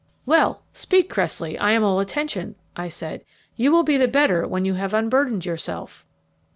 "Well, speak, Cressley; I am all attention," I said; "you will be the better when you have unburdened yourself."